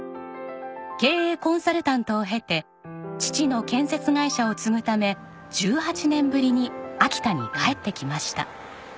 経営コンサルタントを経て父の建設会社を継ぐため１８年ぶりに秋田に帰ってきました。